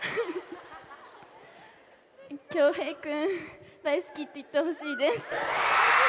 恭平君、大好きって言ってほしいです。